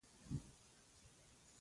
هغه د پېغمبرانو ټاټوبی دی.